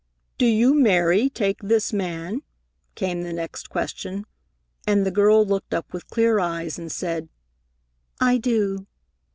"Do you, Mary, take this man?" came the next question, and the girl looked up with clear eyes and said, "I do."